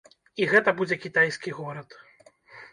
І гэта будзе кітайскі горад.